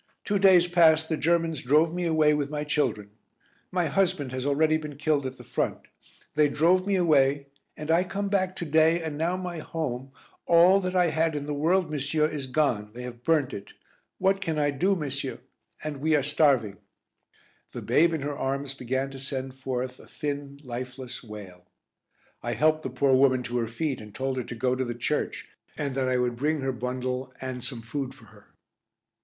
Two days past the Germans drove me away with my children. My husband has already been killed at the front. They drove me away, and I come back to day and now my home, all that I had in the world, monsieur, is gone. They have burnt it. What can I do, monsieur? And we are starving." The babe in her arms began to send forth a thin lifeless wail. I helped the poor woman to her feet and told her to go to the church, and that I would bring her bundle and some food for her.